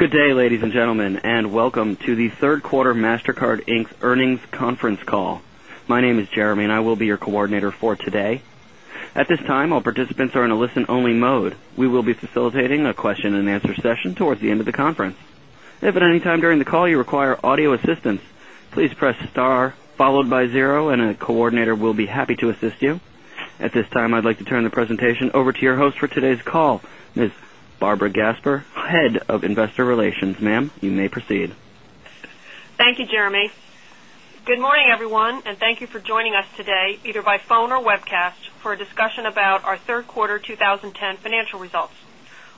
Good day, ladies and gentlemen, and welcome to the Q3 Mastercard, Inc. Earnings Conference Call. My name is Jeremy, and I will be your coordinator for today. Time. All participants are in a listen only mode. We will be facilitating a question and answer session towards the end of the conference. Participants. At this time, I'd like to turn the presentation over to your host for today's call, Ms. Barbara Gasper, Head of Investor Relations. Ma'am, you may proceed. Thank you, Jeremy. Good morning, everyone,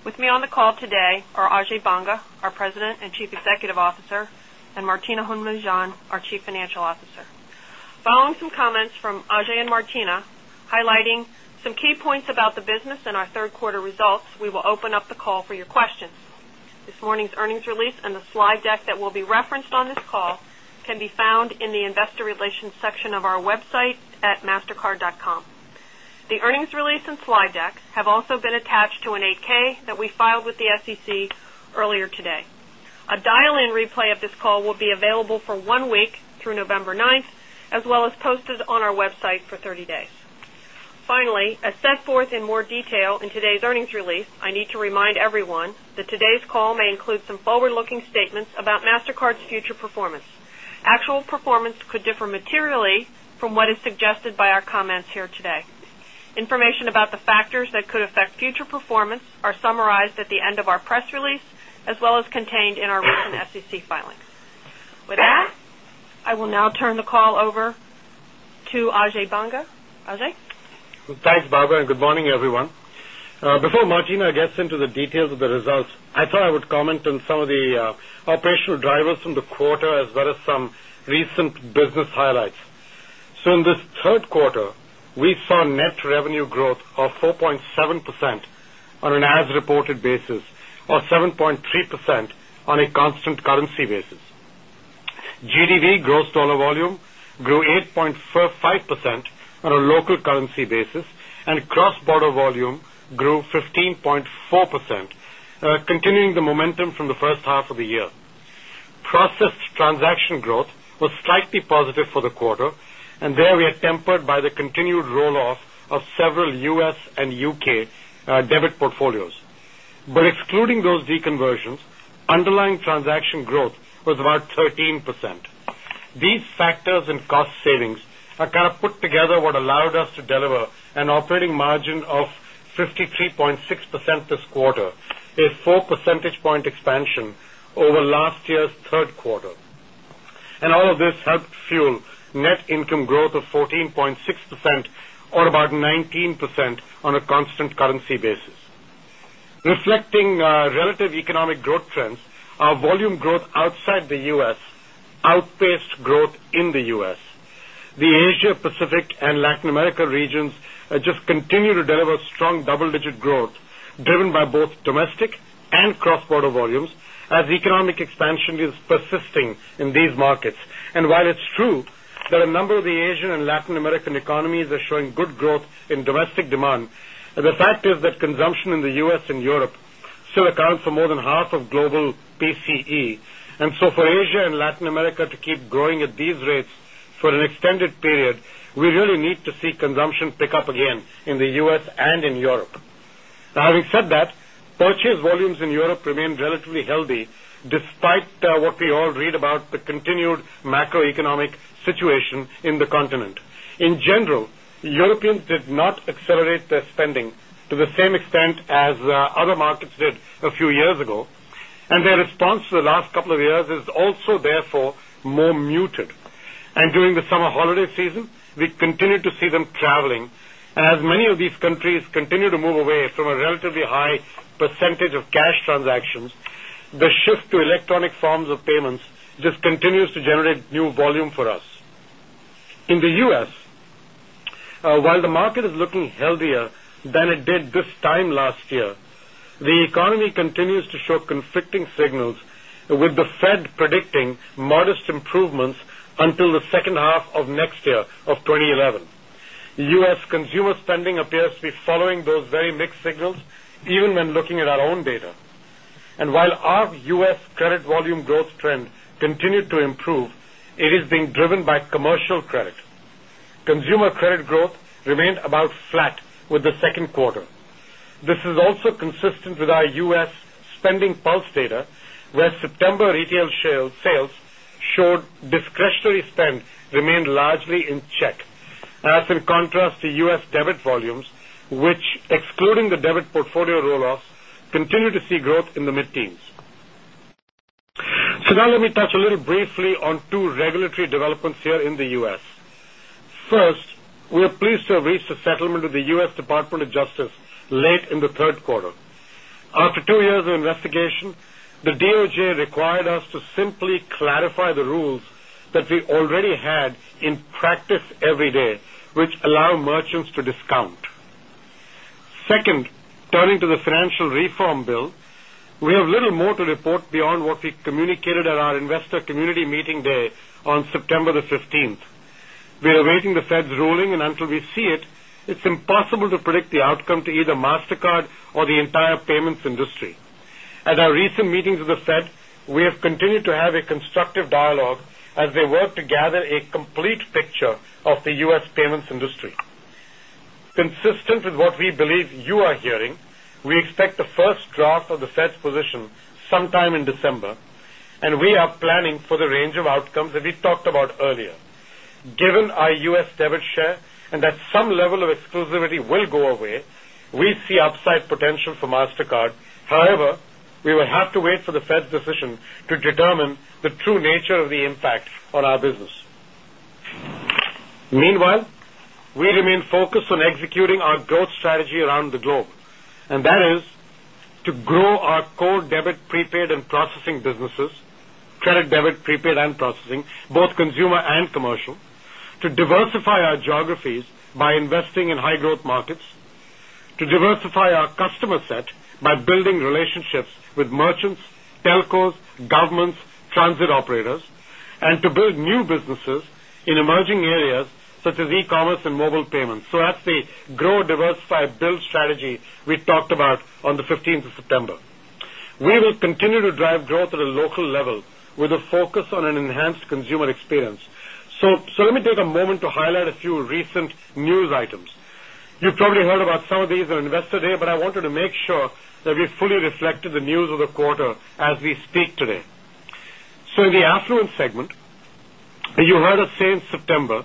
With me on the call today are Ajay Banga, our President and Chief Executive Officer and Martina Hounmoujian, our Chief Financial Officer. Following some comments from Ajay and Q3 results. We will open up the call for your questions. This morning's earnings release and the slide deck that will filings we referenced on this call can be found in the Investor Relations section of our website at mastercard.com. The earnings call will be available for 1 week through November 9, as well as posted on our website for 30 days. Finally, financial results. As set forth in more detail in today's earnings release, I need to remind everyone that today's call may include some forward looking statements about Mastercard's future performance. Actual performance could differ materially from what is suggested by our comments here today. Information about the factors that could SEC's future performance are summarized at the end of our press release as well as contained in our recent SEC filings. With that, I will now turn the call over to Ajay Banga. Ajay? Thanks, Bhagav, and good morning, everyone. Before merging, I guess, into the details of the results, I thought I would comment on some of the operational drivers from the quarter as well as some recent Sysco Business Highlights. So in this Q3, we saw net revenue growth of 4.7% on an as reported basis or 7.3 percent on a constant currency basis. GDV gross dollar volume grew 8.4 5% on a local currency basis and cross border volume grew 15.4%, continuing the momentum from the first the start of the year. Processed transaction growth was slightly positive for the quarter, and there we are tempered by the continued roll off of several U. S. And U. K. Debit portfolios. But excluding those deconversions, underlying transaction growth was 13%. These factors and cost savings are kind of put together what allowed us to deliver an operating margin of 53.6 net income growth of 14.6 percent or about 19% on a constant currency basis. Reflecting relative economic growth trends, our volume growth outside the U. S. Outpaced growth in the U. S. The Asia Pacific and Latin America regions just continue to deliver strong double digit growth driven by both domestic For Asia and Latin America to keep growing at these rates for an extended period, we really need to see consumption pick up again in the U. S. And in Europe. Now as other markets did a few years ago. And their response to the last couple of years is also therefore more muted. And During the summer holiday season, we continue to see them traveling. And as many of these countries continue to move away from a relatively high percentage of cash transactions. The shift to electronic forms of payments just continues to generate new volume for us. In the U. S, while The market is looking healthier than it did this time last year. The economy continues to show conflicting signals with Fed predicting modest improvements until the second half of next year of twenty eleven. U. S. Consumer spending Q3. This is also consistent with our U. S. Spending pulse data, where September retail sales excluding the debit portfolio roll off, continue to see growth in the mid teens. So now let me touch a little briefly on 2 regulatory developments 3rd quarter in the U. S. First, we are pleased to have reached a settlement of the U. S. Department of Justice late in Q3. The Fed's ruling and until we see it, it's impossible to predict the outcome to either Mastercard or the entire payments industry. At our recent meetings with the Fed, we have We continue to have a constructive dialogue as we work to gather a complete picture of the U. S. Payments industry. Consistent with what we believe you are hearing, we expect the first draft of the Fed's position sometime in December, and we are planning for the range of outcomes that we talked about earlier. Given our U. S. Debit share and that some level of exclusivity will go away, we see upside potential Mastercard. However, we will have to wait for the Fed's decision to determine the true nature of the impact on our business. Meanwhile, We remain focused on executing our growth strategy around the globe, and that is to grow our core debit, prepaid and processing businesses, credit, debit, prepaid and processing, both consumer and commercial, to diversify telco's government's transit operators and to build new businesses in emerging areas such as e commerce and mobile payments. So that's the grow, diversify, build sales strategy we talked about on the 15th September. We will continue to drive growth at a local level with a focus on an enhanced consumer experience. So let me take a moment to highlight a few recent news items. You probably heard about some of these on Investor Day, but I wanted to make sure that we fully reflected the news of the quarter as we speak today. So in the affluent segment, you heard us say in September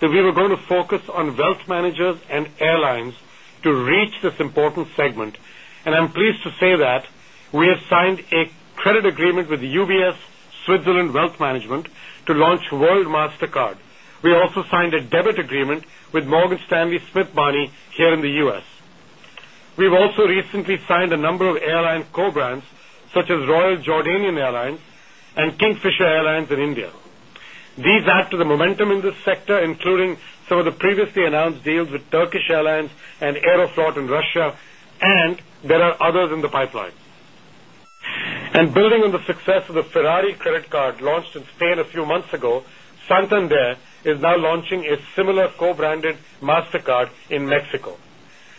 that we were going to focus on Wealth Managers and Airlines to reach this important segment. And I'm pleased to say that we have signed a credit agreement with UBS Switzerland Wealth Management to launch World Mastercard. We also signed a debit agreement with Morgan Stanley Smith money here in the U. S. We've also recently signed a number of airline co brands such as Royal Jordanian Airlines and King And building on the success of the Ferrari credit card launched in Spain a few months ago, Santander is now launching a similar co branded Mastercard in Mexico.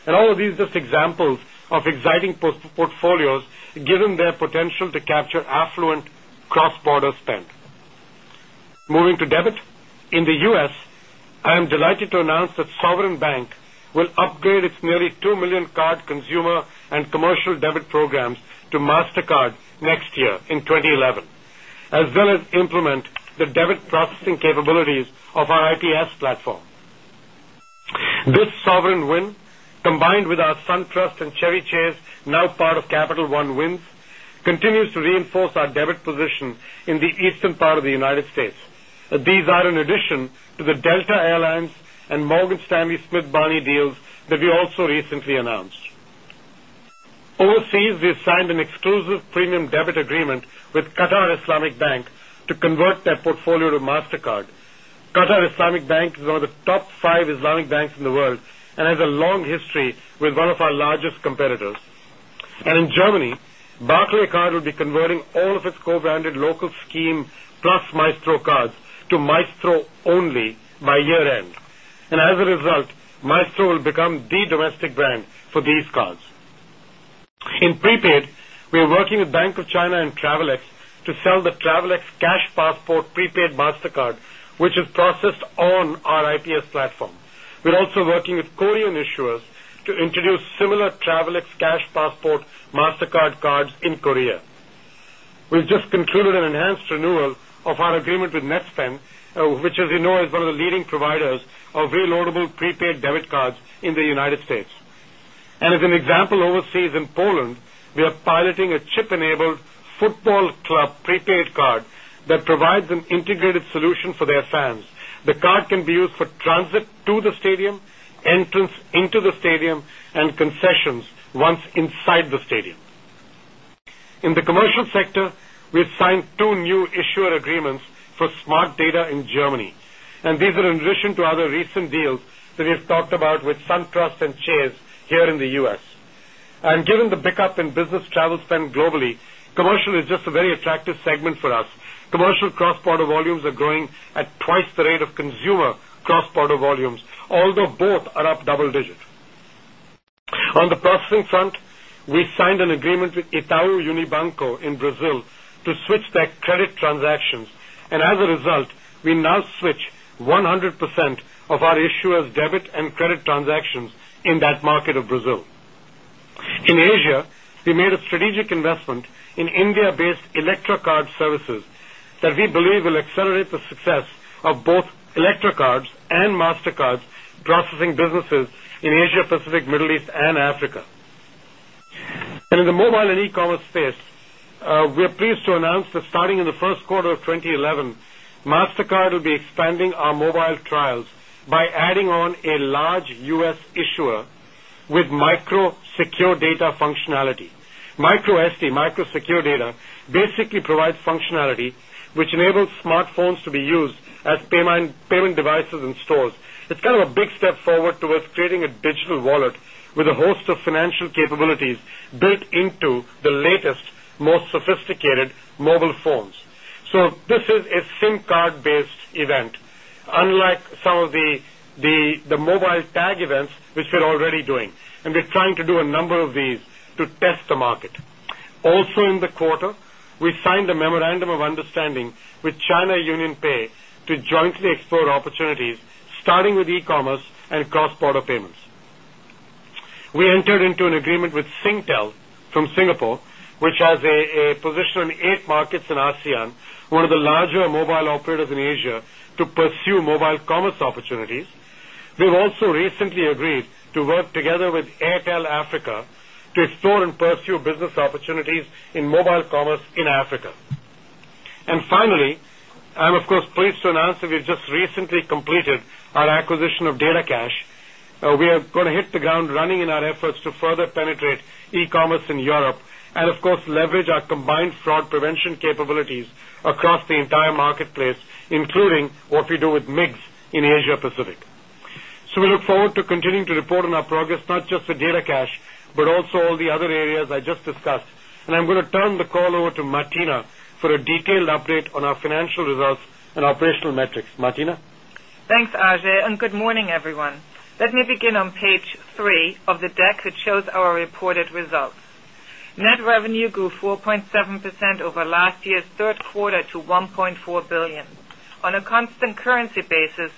And all of these are just examples of exciting portfolios given their potential to capture affluent cross border spend. Moving to debit. In the U. S, I SUD next year in 2011, as well as implement the debit processing capabilities of our IPS platform. The United States. These are in addition to the Delta Airlines and Morgan Stanley Smith Barney deals that we also recently announced. Overseas, we've signed an exclusive premium debit agreement with Qatar Islamic Bank to convert their portfolio to Mastercard. Qatar Qatar Islamic Bank is one of the top 5 Islamic banks in the world and has a long history with one of our largest competitors. And In Germany, Barclaycard will be converting all of its co branded local scheme plus Maestro cards to Maestro only by year end. And as a result, Maestro will become the domestic brand for these cars. Far iPS platform. We're also working with Korean issuers to introduce similar Travelex Cash Passport Mastercard Cards sessions once inside the stadium. In the commercial sector, we have signed 2 new issuer agreements for Spark Data in Germany. And these are in addition to other recent deals that we have talked about with SunTrust and Chase here in the U. S. And given the pickup in business first quarter volumes, although both are up double digit. On the processing front, we signed an agreement with Itau sections in that market of Brazil. In Asia, we made a strategic investment in India based ElectroCard services that we believe will accelerate the success of both Electrocards and Mastercard's processing businesses the Q1 of 2011, Mastercard will be expanding our mobile trials by adding on a large U. S. Issuer with micro secure data functionality. Micro SD, micro secure data basically provides functionality, which enables smartphones to be used as Payment Devices in Stores. It's kind of a big step forward towards creating a digital wallet with a host of financial capabilities built to the Unlike some of the mobile tag events, which we're already doing, and we're trying to do a number of these to test the market. Also in the quarter. We signed a memorandum of understanding with China Union Pay to jointly explore opportunities starting with e commerce and first quarter payments. We entered into an agreement with Singtel from Singapore, which has a position in 8 markets in ASEAN, one of the major mobile operators in Asia to pursue mobile commerce opportunities. We've also recently agreed to work together Airtel Africa to explore and pursue business opportunities in mobile commerce in Africa. And finally, I'm of course pleased to announce that we've just recently completed our acquisition of DataCash. We are going to hit the ground running in our efforts to further penetrate e commerce Asia Pacific. So we look forward to continuing to report on our progress, not just with Data Cash, but also all the other areas I just discussed. And I'm going to turn the call over to Martina Saks for a detailed update on our financial results and operational metrics. Margina? Thanks, Ajay, and good morning, everyone. Let me begin on page 3 the deck that shows our reported results. Net revenue grew 4.7 percent over last year's Q3 to 1,400,000,000. On a constant 15.4%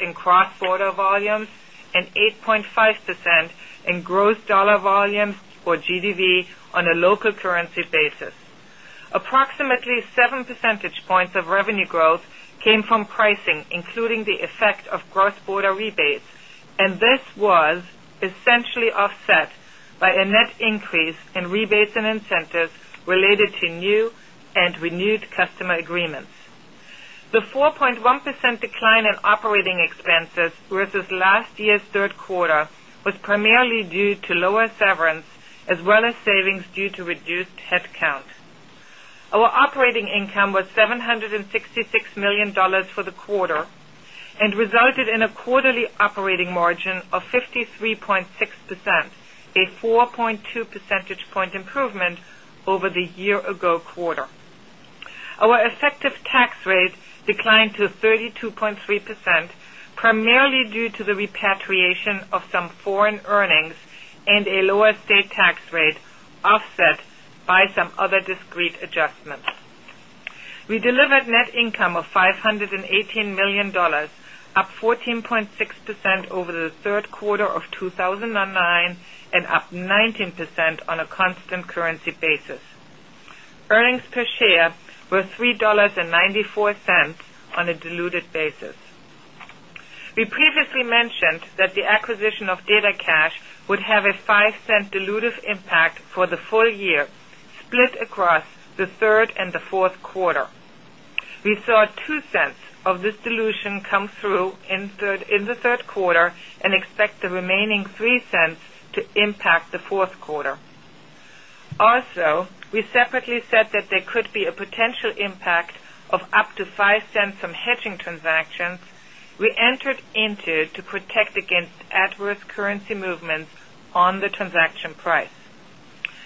in cross border volumes and 8.5% in gross dollar volumes or GDV on a local currency basis. Approximately 7 percentage points of revenue growth came from pricing, including the effect of gross border rebates, SEMA agreements. The 4.1% decline in operating expenses versus last year's 3rd quarter segment. It was primarily due to lower severance as well as savings due to reduced headcount. Our operating income was $773,000,000 for the quarter and resulted in a quarterly operating margin of 53.6%, a 4.2 percentage point improvement of some foreign earnings and a lower state tax rate offset by some other discrete adjustments. We delivered net income of $518,000,000 up 14.6% over the Q3 of 2019 and up 19% on a constant currency basis. Earnings per share were 3.94 on a diluted basis. We previously mentioned that the acquisition of DataCash would have a $0.05 dilutive impact for the full year split across the 3rd and the 4th quarter. We saw $0.02 of this dilution come through in the Q3 and expect the remaining $0.03 to impact the 4th quarter. Also, we separately that there could be a potential impact of up to $0.05 from hedging transactions we entered into to protect against adverse currency movements on the transaction price.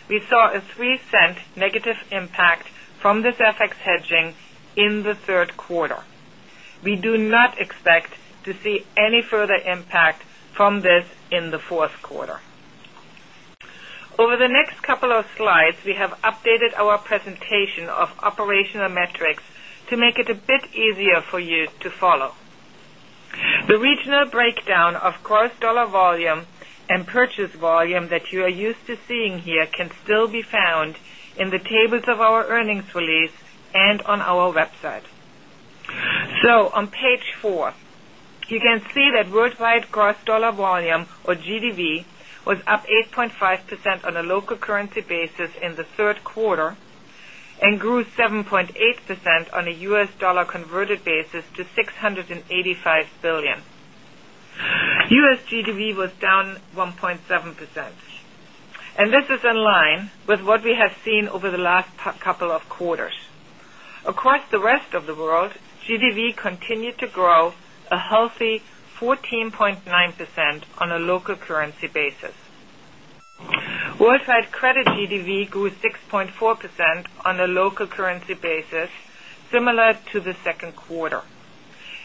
We saw a $0.03 negative impact from this Fed's hedging in the 3rd quarter. We do not expect to see any further impact from this in the 4th quarter. Segment. So on page 4, you can see that worldwide gross dollar volume or GDV was up 8.5% on local currency basis in the 3rd quarter and grew 7.8% on a U. S. Dollar converted basis to €65,000,000,000 U. S. GDV was down 1.7% and this is in line with what we have seen over the last Q1 of 2019. Across the rest of the world, GDV continued to grow a healthy 14.9% on a local the Q2.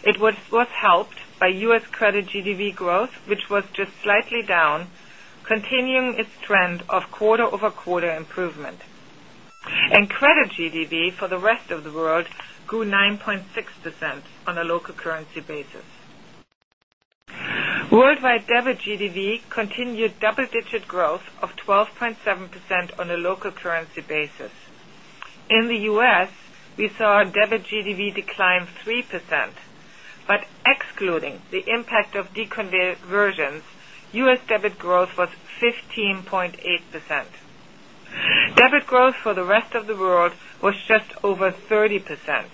It was helped by U. S. Credit GDV growth, which was just slightly down, continuing its trend of quarter Q1 improvement. And credit GDV for the rest of the world grew 9.6% on a local currency basis. Worldwide debit GDV continued double digit growth of 12.7% on a local currency basis. In the U. S, we saw 3%. Debit growth for the rest of the world was just over 30%,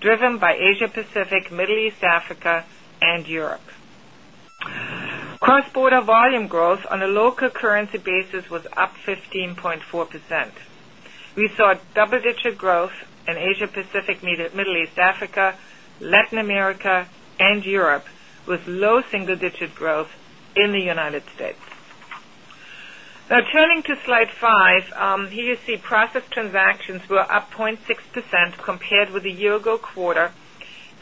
driven by Asia Pacific, Middle East, Africa the 6% compared with the year ago quarter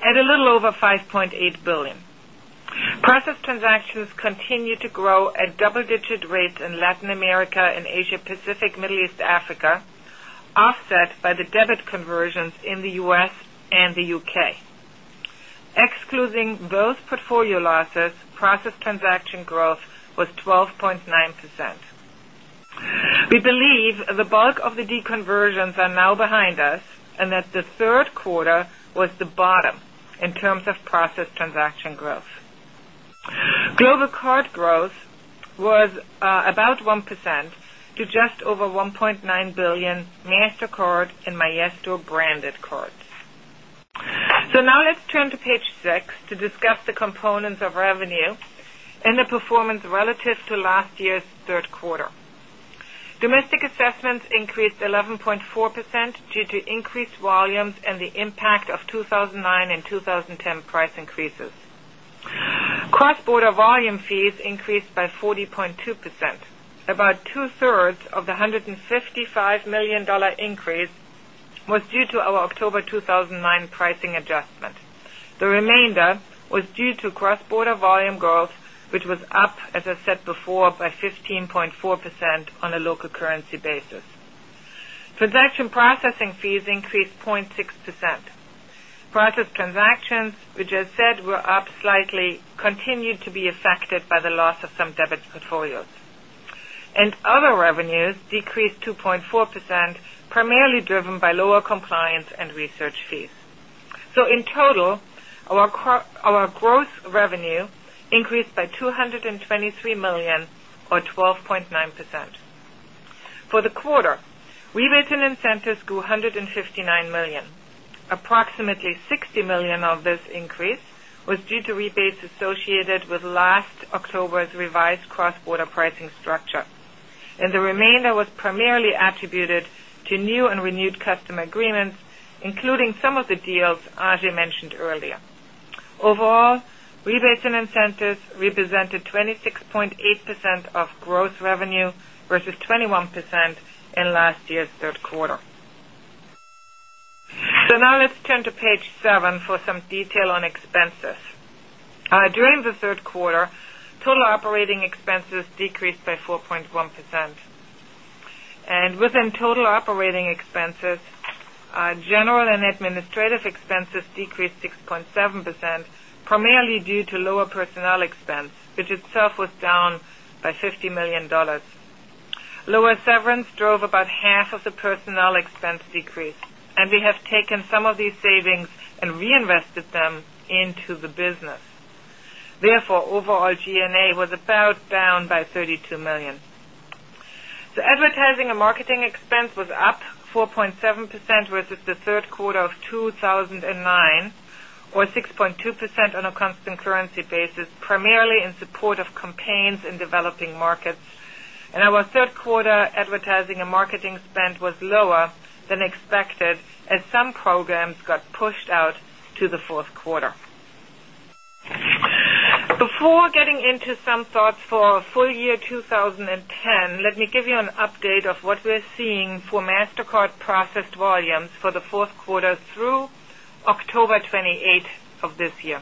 at a little over 5,800,000,000. Process transactions continue to grow at double digit rates I believe the bulk of the deconversions are now behind us and that the 3rd quarter was the bottom in terms of process transaction growth. Global card growth was about 1% to just over €1,900,000,000 Mastercard Smart and Myastor branded cards. So now let's turn to Page 6 to discuss the components of revenue sales and the performance relative to last year's Q3. Domestic assessments increased 11.4% due to increased volumes and the impact of 2,009 2010 price increases. Cross border volume fees increased by 40.2%. About 2 thirds of $155,000,000 increase was due to our October 2009 pricing adjustment. The remainder was due to cross border same growth, which was up as I said before by 15.4% on a local currency basis. Transaction Fees increased 0.6%. Prior to transactions, which I said were up slightly, continued to be affected by the loss of some Sevets portfolios. And other revenues decreased 2.4%, primarily driven by lower compliance and research fees. So 9%. For the quarter, rewritten incentives grew €159,000,000 Approximately €60,000,000 of this increase was strategic rebates associated with last October's revised cross border pricing structure. And the remainder was primarily attributed to new and renewed customer agreements, including some of the deals Ajay mentioned earlier. Overall, rebates and incentives represented 26 So now let's turn to Page 7 for some detail on expenses. During the Q3, $50,000,000 Lower severance drove about half of the personnel expense decrease and we have taken some of these savings and reinvested them into the business. Therefore, overall G and A was about down by €2,000,000. The advertising and marketing expense was up 4.7% versus the Q3 of 2009 or 6.2% on a constant currency basis, primarily in support of campaigns in developing markets. And our 3rd quarter advertising and marketing spend was lower than expected as some programs got pushed out to the 4th quarter. Before getting into some thoughts for full year 2010, let me give you an update of what we're seeing for Mastercard processed volumes segments for the Q4 through October 28 this year.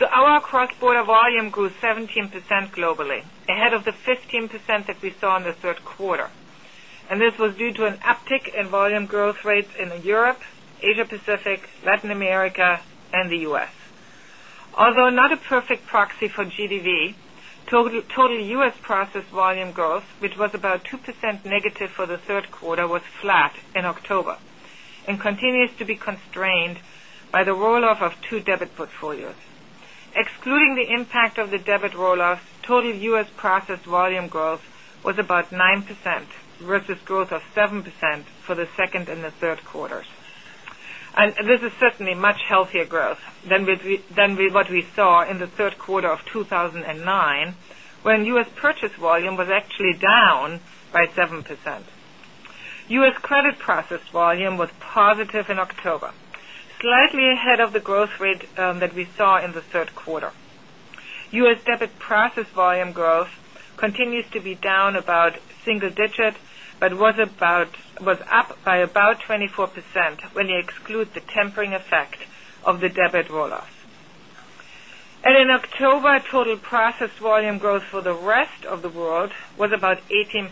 So our cross border volume grew 17 Latin America and the U. S. Although not a perfect proxy for GDV, total U. S. Process volume growth, which was About 2% negative for the 3rd quarter was flat in October and continues to be constrained by the roll off of 2 debit portfolios. Excluding the impact of the debit roll off, total U. S. Process volume growth was about 9% versus growth of 7% for the 2nd and the 3rd quarters. And this is certainly much healthier growth than what we saw in the Q3 of 2,000 Slide 9, when U. S. Purchase volume was actually down by 7%. U. S. Credit process volume was positive in October, slightly ahead of the growth rate that we saw in the Q3. U. S. Debit process volume growth continues to be effect of the debit roll off. And in October, total process volume growth for the rest of the world was about 18%,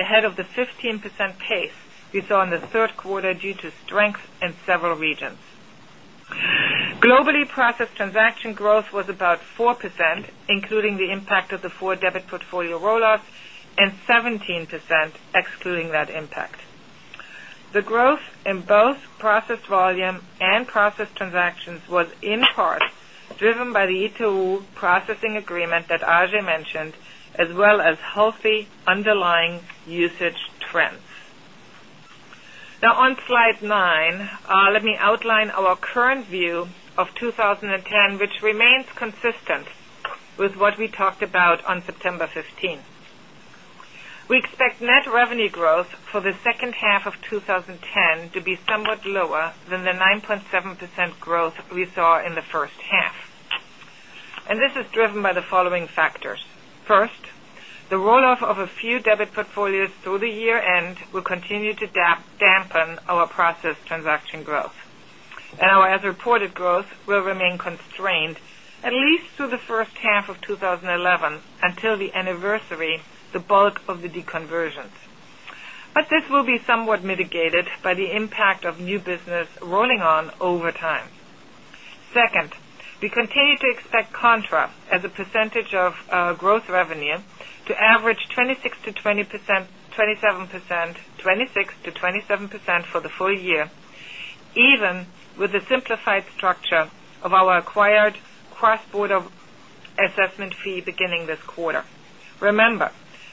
ahead of the 15% pace we saw in the 3rd quarter due to strength in several regions. Globally, process transaction growth was about 4%, 3rd quarter, including the impact of the 4 debit portfolio rollouts and 17% excluding that impact. The growth in both underlying usage trends. Now on Slide 9, let me outline our current view of 2010, second half of twenty ten to be somewhat lower than the 9.7% growth we saw in the first half. And this is driven by the following factors. First, the roll off of a few debit portfolios through the year end will continue to dampen our Process Transaction Growth. And our as reported growth will remain constrained at least through the first half of twenty eleven until the anniversary the bulk of the deconversions. But this will be somewhat mitigated by the impact of new business rolling on over time. Second. We continue to expect contra as a percentage of growth revenue to average 26% to 20 the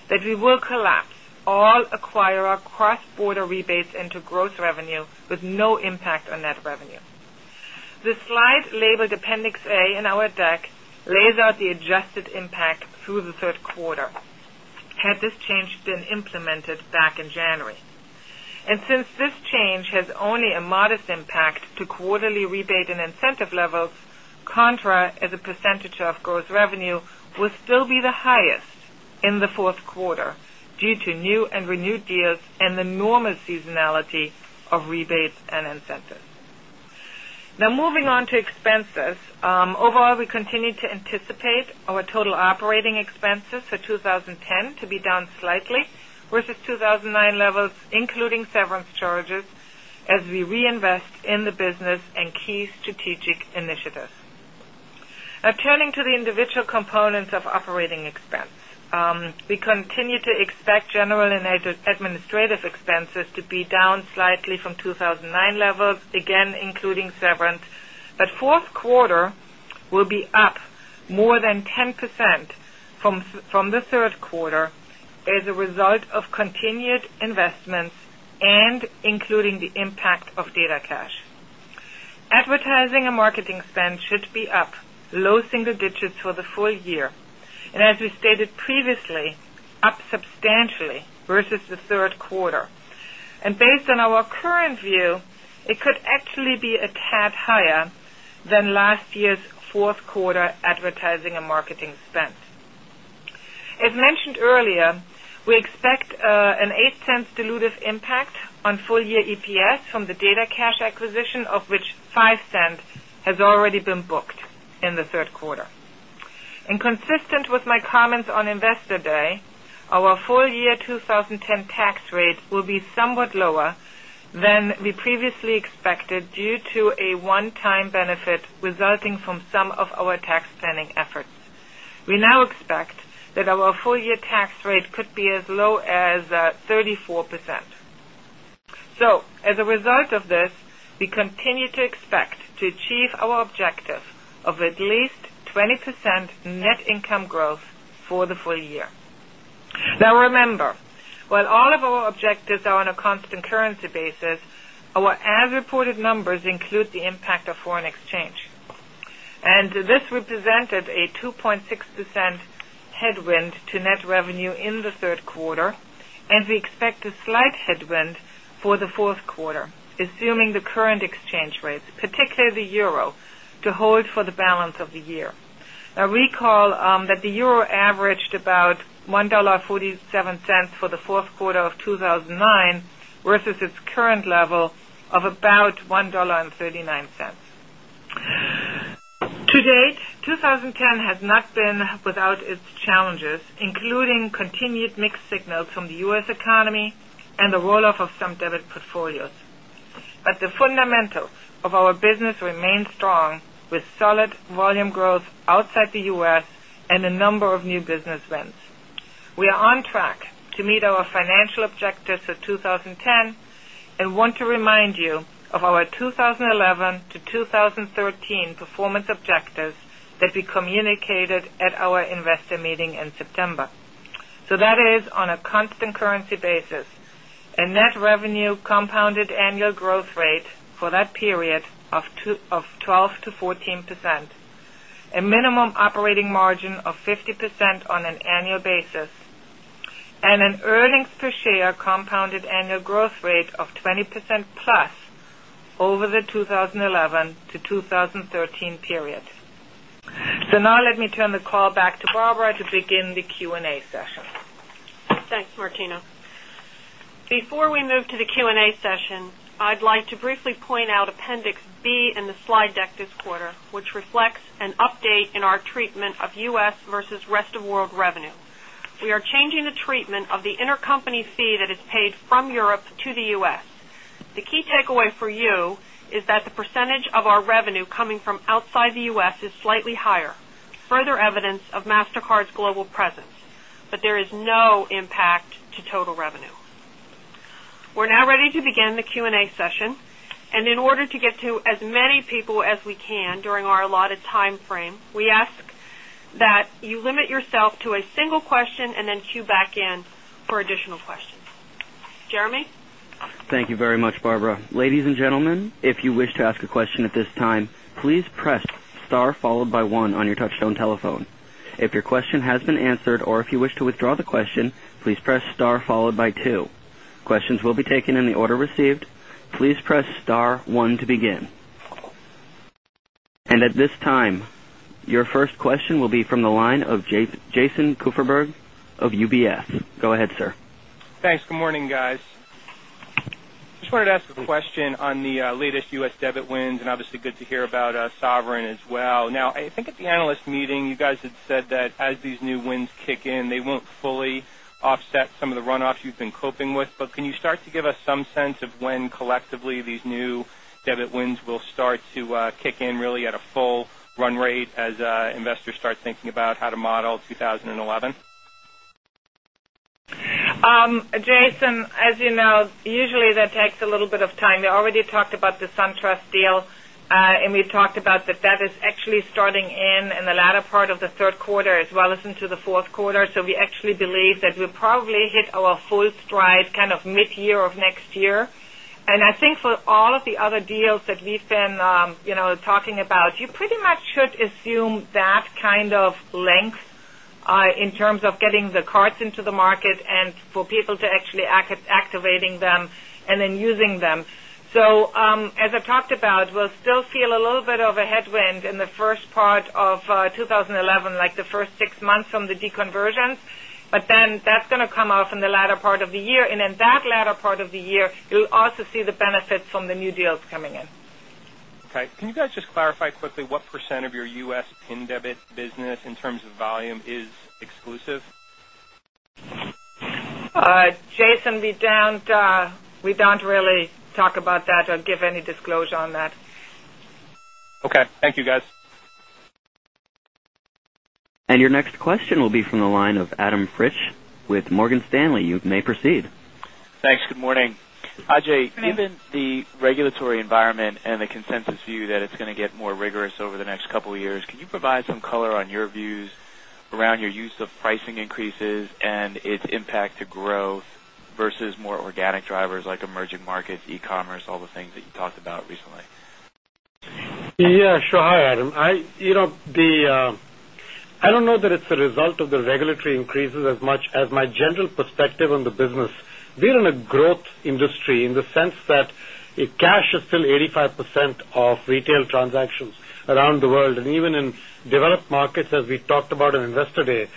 change has only a modest impact to quarterly rebate and incentive levels contra as a percentage of gross revenue will still be the highest in the Q4 due to new and renewed deals and the normal seasonality of rebates and incentives. Now moving on to expenses. Overall, we continue to anticipate our total operating expenses for 20.10 to be down slightly versus 2,009 levels, Including severance charges as we reinvest in the business and key strategic initiatives. Now Turning to the individual components of operating expense. We continue to expect general and administrative expenses to down slightly from 2,009 levels, again including severance. But 4th quarter will be up more than 10 3rd quarter as a result of continued investments and including the impact of data SASH. Advertising and marketing spend should be up low single digits for the full year. And as dilutive impact on full year EPS from the DataCash acquisition of which $0.05 has already been booked in the Q3. And consistent with my comments on Investor Day, our full year 2010 tax rate will be somewhat SOA than we previously expected due to a one time benefit resulting from some of our tax outstanding efforts. We now expect that our full year tax rate could be as low as 34%. Income growth for the full year. Now remember, while all of our objectives are on a constant currency basis, to hold for the balance of the year. Now recall that the euro averaged about 1 $1.47 for the Q4 of 2019 versus its current level of about $1.39 To date, 2010 has not been without its challenges, including continued mixed signals from the U. S. Economy and the roll off of some debit portfolios. But the fundamentals of our business remains strong with solid volume growth outside the U. S. And a number of new business wins. We are on track to meet our financial objectives for 2010 and want to remind overview of our 2011 to 2013 performance objectives that we communicated at our Investor Meeting in September. So that is on a constant currency basis. A net revenue compounded annual growth rate for that period of 12% to 14%, a minimum operating margin of 50% on an annual basis and an earnings per share compounded annual growth rate of 20% plus over the 2011 to 2013 period. So now let me turn the call back to Barbara to begin the Q and A session. Thanks, Martino. Before we move to the Q Q and A session. I'd like to briefly point out Appendix B in the slide deck this quarter, which reflects an update in our treatment of U. S. Versus Rest of World Revenue. We are changing the treatment of the intercompany fee that is paid from Europe to the U. S. The full year results. We're now ready to begin the Q Q and A session. And in order to get to as many people as we can during our allotted time frame, we ask the to the question. Session. Your first question will be from the line of Jason Kupferberg of UBS. Go ahead, sir. Thanks. Good morning, guys. I just wanted to ask a question on the latest U. S. Debit wins and obviously good to hear about Sovereign as well. Now I think at the analyst meeting, you guys had said that As these new wins kick in, they won't fully offset some of the runoffs you've been coping with. But can you start to give us some sense of when collectively these new Debit wins will start to kick in really at a full run rate as investors start thinking about how to model 2011? Jason, as you know, usually that takes a little bit of time. We already talked about the SunTrust deal, and we talked about that that is actually in the latter part of the 3rd quarter as well as into the 4th quarter. So we actually believe that we'll probably hit our full stride kind of midyear of next year. And I think for all of the other deals that we've been talking about, you pretty much should assume that kind of length In terms of getting the cards into the market and for people to actually activating them and then using them. So As I talked about, we'll still feel a little bit of a headwind in the 1st part of 2011, like the 1st 6 months the deconversion. But then that's going to come off in the latter part of the year. And in that latter part of the year, you'll also see the benefits from the new deals coming in. Okay. Can Can you guys just clarify quickly what percent of your U. S. Pin debit business in terms of volume is exclusive? Jason, we don't really talk about that or give any disclosure on that. Okay. Thank you, guys. And your next question will be from the line of Adam Fitch with Morgan Stanley. You may proceed. Thanks. Good morning. Ajay, given the regulatory environment and the consensus view that it's going to get more rigorous over the next couple of years, can you provide some color on your views around your use of pricing increases and its impact to growth versus more organic drivers like emerging markets, e commerce, all the things that you talked about recently? Yes, sure. Hi, Adam. I don't know that it's a result of the regulatory increases as much as general perspective on the business. We're in a growth industry in the sense that cash is still 85% of retail transactions around the world and even developed markets as we talked about at Investor Day,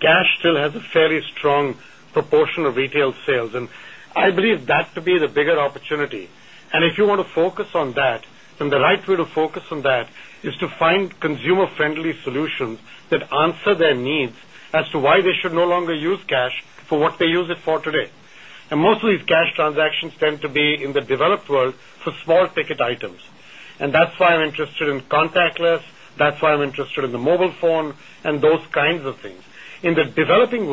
cash still has a fairly strong proportion of retail sales. And I believe that to be the bigger opportunity. And if you want to focus on that, and the right way to focus on that is to find consumer friendly solutions that answer their needs as to why they should no longer use cash for what they use it for today. And most of these cash transactions tend to be in the developed world for small ticket items. And that's why I'm interested in contactless, that's why I'm interested in the mobile phone and those kinds of things. In the developing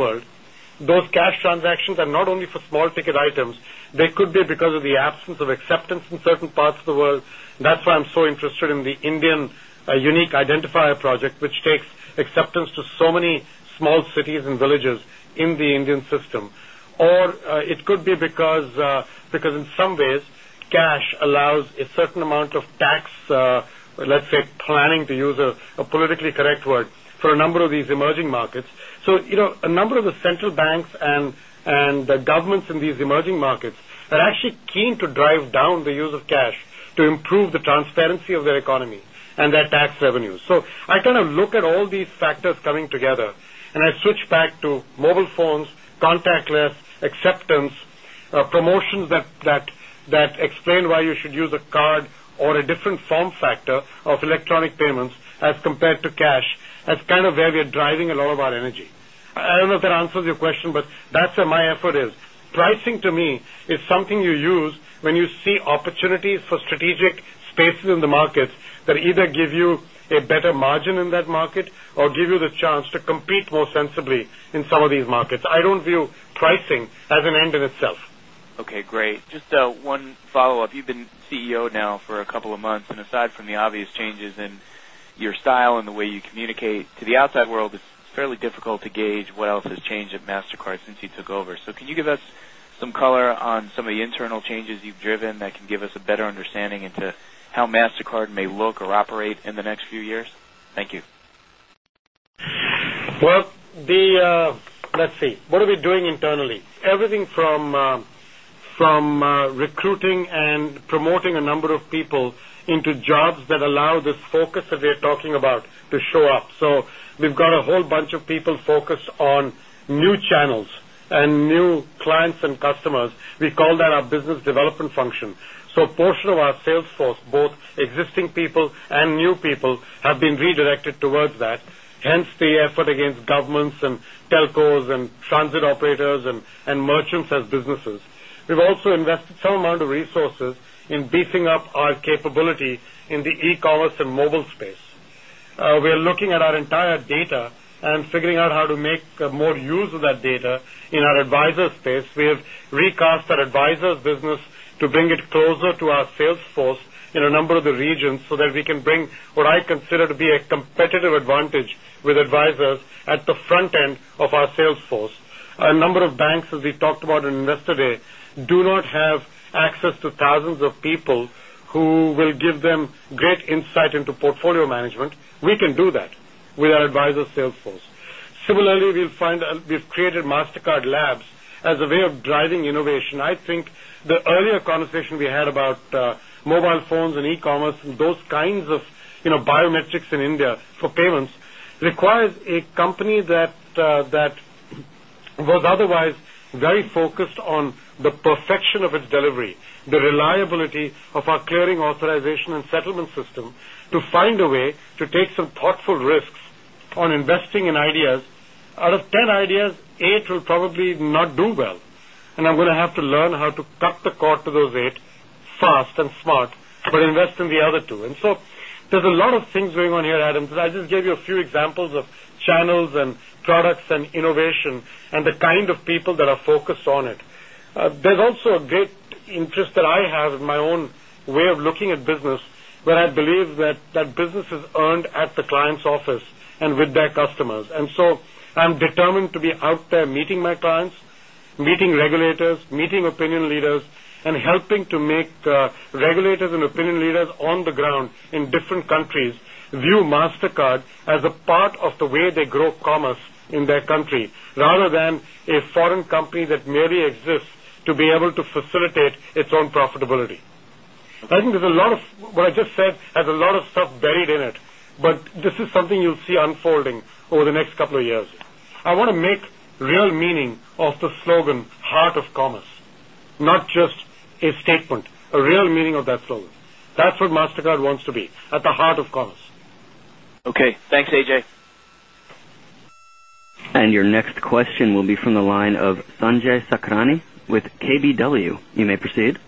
Those cash transactions are not only for small ticket items, they could be because of the absence of acceptance in certain parts of the world. That's why I'm so interested in the Indian Finique identifier project, which takes acceptance to so many small cities and villages in the Indian system. To use a politically correct word for a number of these emerging markets. So a number of the central banks and the governments in these emerging markets that are actually keen to drive down the use of cash to improve the transparency of their economy and their tax revenues. So I I kind of look at all these factors coming together and I switch back to mobile phones, contactless, acceptance, promotions that explain why you should use a card or a different form factor of electronic payments as compared to in some of these markets. I don't view pricing as an end in itself. Okay, great. Just one follow-up. You've been CEO now for a couple of months. And aside from the obvious changes in your style and the way you communicate to the outside world, it's fairly difficult to gauge what else has changed at Mastercard since you took over. So can you give us some color on some of the internal changes you've driven that can give us a better understanding into Let's see. What are we doing internally? Everything from recruiting and promoting a number of people into jobs customers. We call that our business development function. So a portion of our sales force, both existing people and new people, have We've been redirected towards that, hence the effort against governments and telcos and transit operators and merchants as businesses. We've also invested some use of that data in our advisor space. We have recast that advisor business to bring it closer to our sales force in a number of the regions portfolio management. We can do that with our advisor sales force. Similarly, we've created Mastercard Labs as a way of driving innovation. I think the earlier conversation we had about mobile phones and e commerce and those kinds of biometrics in India for payments requires the the reliability of our clearing authorization and settlement system to find a way to take some thoughtful risks on investing in ideas. Out of Fed ideas, 8 will probably not do well. And I'm going to have to learn how to cut the cord to those 8 fast and smart, but invest in the other 2. And There's a lot of things going on here, Adam. I just gave you a few examples of channels and products and innovation and the kind of people that are focused on it. There's also a great interest that I have in my own way of looking at business, where I believe that Businesses earned at the client's office and with their customers. And so I'm determined to be out there meeting my clients, meeting regulators, as a part of the way they grow commerce in their country rather than a foreign company that merely exists to be able to facilitate its own profitability. I think there's a lot of what I just said has a lot of stuff buried in it, but This is something you'll see unfolding over the next couple of years. I want to make real meaning of the slogan, heart of commerce, not just and your next question will be from the line of Sanjay Sakhrani with KBW. You may proceed.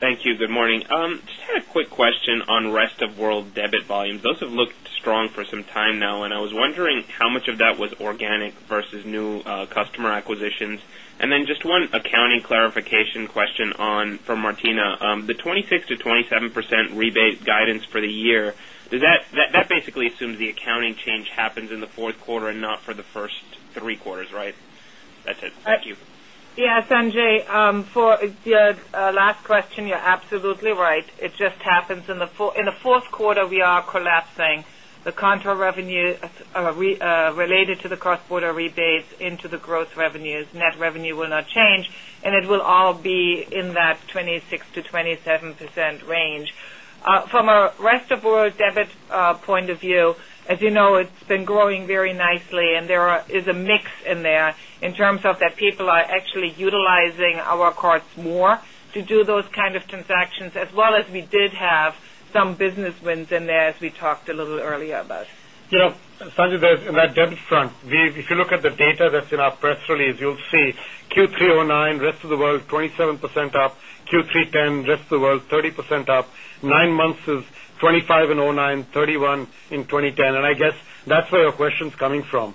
Thank you. Good morning. Just had a quick question on rest of world debit volumes. Those have looked strong for some time now, and I was wondering how much of that was organic versus new customer acquisitions? And then just one accounting clarification question on for Martina. The 26% to 27% rebate guidance for the year. Does that that basically assumes the accounting change happens in the Q4 and not for the 1st 3 quarters, right? Segment. Thank you. Yes. Sanjay, for your last question, you're absolutely right. It just happens in the 4th quarter, we are The Contour revenue related to the cross border rebates into the gross revenues, net revenue will not And it will all be in that 26% to 27% range. From a rest of world debit point As you know, it's been growing very nicely and there is a mix in there in terms of that people are actually utilizing our cards to do those kind of transactions as well as we did have some business wins in there as we talked a little earlier about. Sanjay, on that debit front, if you look at the data that's in our press release, you'll see Q3 'nine, rest of the world 27% up, Q3 10% rest of the world, 30% up, 9 months is 25% in 2009%, 31% in 2010. And I guess that's where your question is coming from.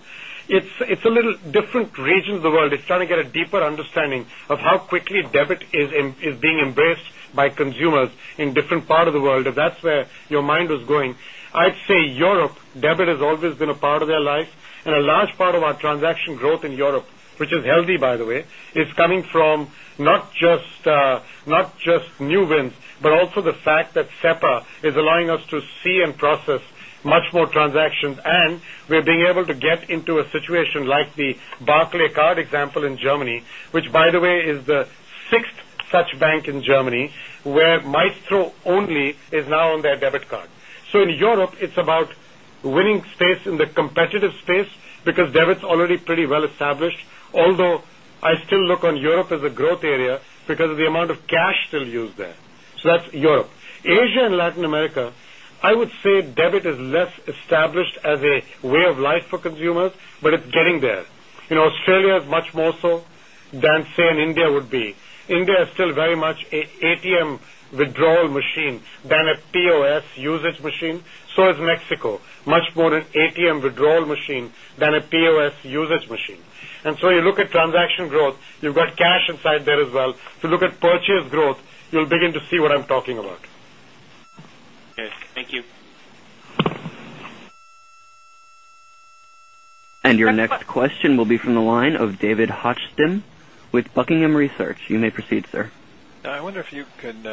It's a little different regions of the world. It's trying to get a deeper understanding of how quickly debit is being embraced by consumers in different part of the world, if that's where your 6th such bank in Germany, where Maestro only is now on their debit card. So in Europe, it's about winning space in the competitive space because debit is already pretty well established, although I still look on Europe as a growth area because of the amount Cash still used there. So that's Europe. Asia and Latin America, I would say debit is less established as a way of life for consumers, but it's fashion side there as well. If you look at purchase growth, you'll begin to see what I'm talking about. Okay. Thank you. Session. And your next question will be from the line of David Hochstin with Buckingham Research. You may proceed, sir. I wonder if you could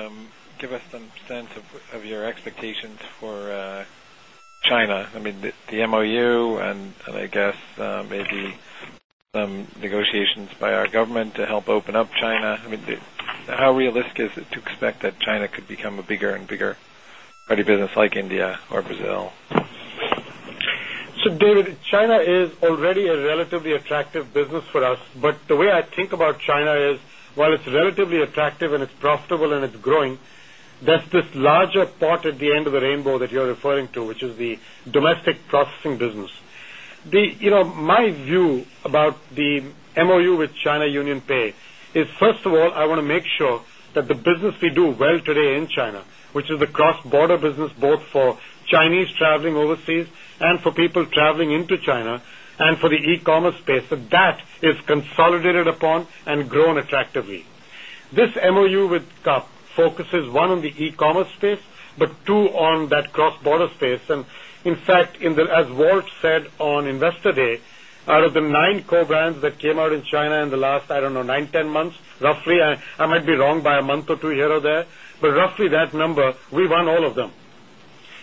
Give us some sense of your expectations for China. I mean, the MoU and I guess maybe negotiations by our government to help open up China. I mean, how realistic is it to expect that China could become a bigger and bigger So David, China is already a relatively attractive business for us. But the way I think the business we do well today in China, which is a cross border business both for Chinese traveling overseas and for people traveling into China focus is 1 on the e commerce space, but 2 on that cross border space. And in fact, as Walt said on Investor Day, out of the 5 core brands that came out in China in the last, I don't know, 9, 10 months, roughly, I might be wrong by a month or 2 here or there, but roughly that number, we won all of them.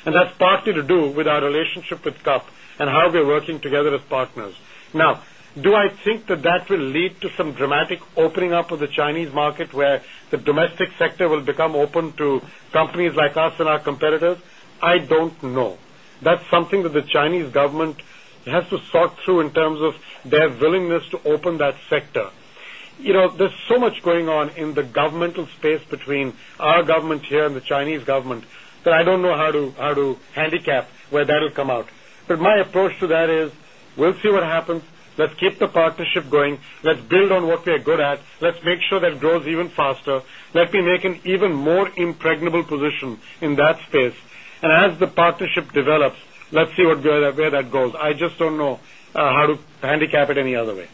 And best part to do with our relationship with CUP and how we're working together as partners. Now do I think that, that will lead some dramatic opening up of the Chinese market where the domestic sector will become open to companies like us and our competitors. I don't know. That's the Chinese government has to sort through in terms of their willingness to open that sector. There's so much going on in governmental space between our government here and the Chinese government that I don't know how to handicap where that will come out. But My approach to that is we'll see what happens. Let's keep the partnership going. Let's build on what we are good at. Let's make sure that it grows even faster. Let me make an even more segmental position in that space. And as the partnership develops, let's see what where that goes. I just don't know how to handicap it any other way.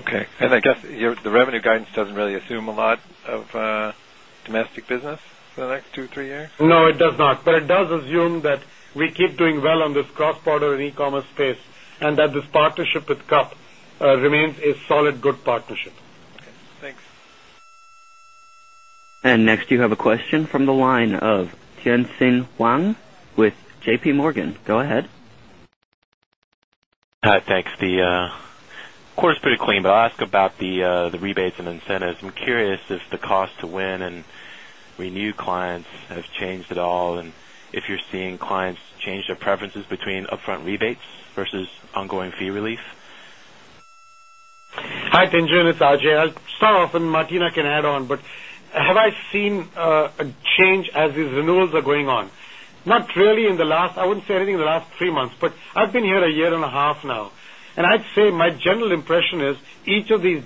Okay. And I guess the revenue guidance doesn't really assume a lot of domestic business for the next 2, 3 years? No, it does not. But it does assume We keep doing well on this cross border and e commerce space and that this partnership with CUP remains a solid good partnership. Okay, thanks. And next you have a question from the line of Tiansin Huang with JPMorgan. Go ahead. Hi, thanks. The quarter is pretty clean, but I'll ask about the rebates and incentives. I'm curious if the cost to win Finjan renew clients have changed at all. And if you're seeing clients change their preferences between upfront rebates versus ongoing fee relief? Hi, Tien Tsin, it's Ajay. I'll start off and Martina can add on. But have I seen a change as these renewals are going on? Not really in the last I wouldn't say anything in the last 3 months, but I've been here a year and a half now. And I'd say my general impression is each of these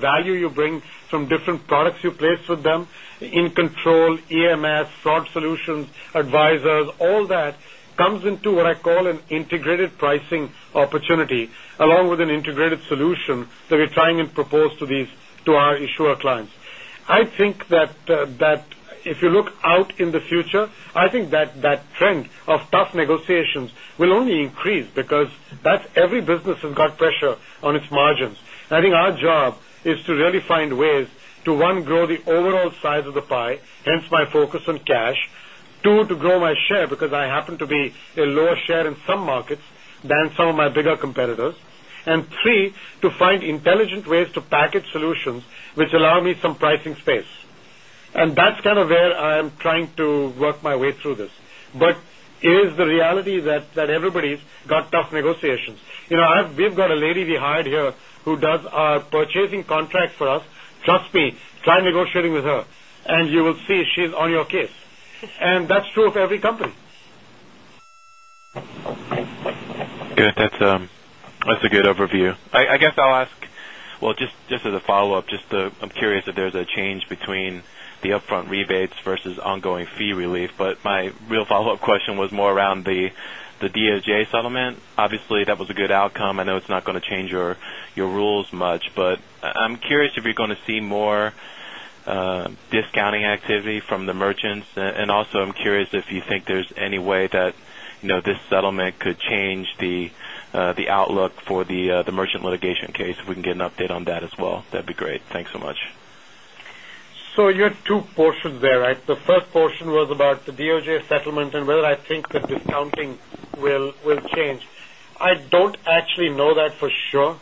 value you bring from different products you place with them, in control, EMS, fraud solutions, advisors, all comes into what I call an integrated pricing opportunity along with an integrated solution that we're trying and propose to these to our issuer floor clients. I think that if you look out in the future, I think that that trend of tough negotiations will only increase because that's Every business has got pressure on its margins. I think our job is to really find ways to 1, grow the overall size of the pie, hence my focus on cash 2, to grow my share because I happen to be a lower share in some markets than some of my bigger competitors and 3, to Find intelligent ways to package solutions, which allow me some pricing space. And that's kind of where I'm trying to work my way through this. But It is the reality that everybody's got tough negotiations. I've we've got a lady we hired here who does our purchasing contract for us. Trust me, try I'm negotiating with her. And you will see she's on your case. And that's true of every company. That's Good overview. I guess I'll ask, well, just as a follow-up, just I'm curious if there's a change between the upfront rebates versus But my real follow-up question was more around the DOJ settlement. Obviously, that was a good outcome. I know it's not going to change your rules much, but There's any way that this settlement could change the outlook for the merchant litigation case. If we can get an update on that as well, that'd be great. Thanks so much. So you had 2 portions there, right? The first portion was about the DOJ settlement and whether I think the discounting will change. I Don't actually know that for sure.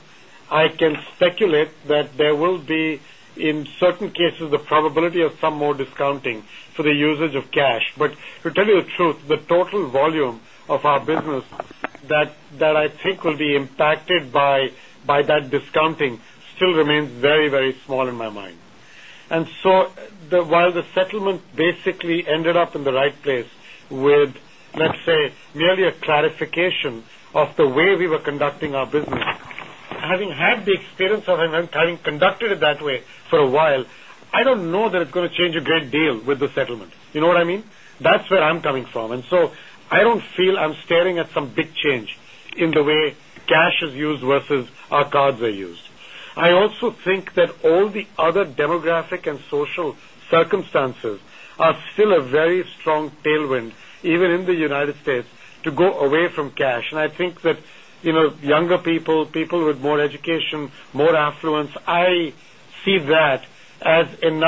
I can speculate that there will be, in certain cases, the probability Some more discounting for the usage of cash. But to tell you the truth, the total volume of our business that I think will impacted by that discounting still remains very, very small in my mind. And so while the settlement basically ended up in right place with, let's say, nearly a clarification of the way we were conducting our business. Having had the experience of having conducted That way for a while. I don't know that it's going to change a great deal with the settlement. You know what I mean? That's where I'm coming from. And so I don't feel I'm staring circumstances are still a very strong tailwind even in the United States to go away from cash. And I think Tailwind in